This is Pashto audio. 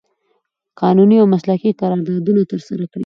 قانوني او مسلکي قراردادونه ترسره کړي